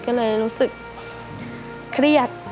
ก็เลยรู้สึกเครียด